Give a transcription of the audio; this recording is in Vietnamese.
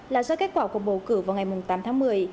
là do kết quả cuộc bầu cử vào ngày tám tháng một mươi